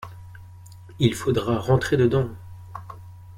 Il faudra rentrer dedans.